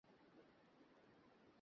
কোথায় গেছে?